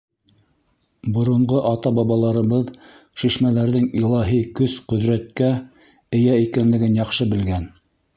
Боронғо ата-бабаларыбыҙ шишмәләрҙең илаһи көс-ҡөҙрәткә эйә икәнлеген яҡшы белгән.